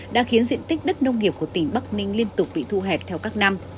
đã khiến diện tích đất nông nghiệp của tỉnh bắc ninh liên tục bị thu hẹp theo các năm